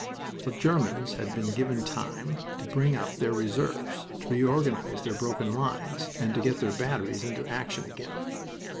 The Germans had been given time to bring up their reserves, to reorganize their broken lines, and to get their batteries into action again.